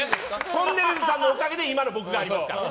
とんねるずさんのおかげで今日の僕がありますから。